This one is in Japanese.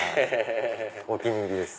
お気に入りです。